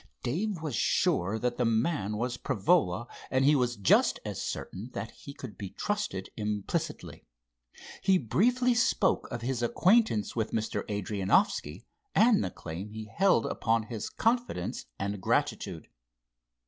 Dave was sure that the man was Prevola, and he was just as certain that he could be trusted implicitly. He briefly spoke of his acquaintance with Mr. Adrianoffski and the claim he held upon his confidence and gratitude.